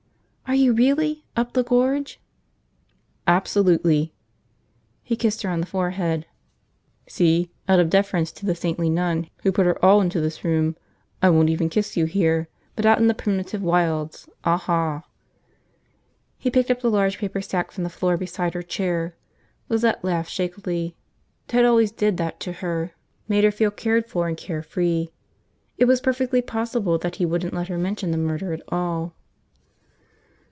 "Are you really? Up the Gorge?" "Absolutely." He kissed her on the forehead. "See, out of deference to the saintly nun who put her all into this room, I won't even kiss you here. But out in the primitive wilds – aha!" He picked up the large paper sack from the floor beside his chair. Lizette laughed shakily. Ted always did that to her, made her feel cared for and carefree. It was perfectly possible that he wouldn't let her mention the murder at all.